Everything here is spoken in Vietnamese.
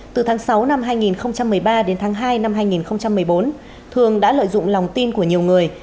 từ tháng sáu năm hai nghìn một mươi ba đến tháng hai năm hai nghìn một mươi bốn thường đã lợi dụng lòng tin của nhiều người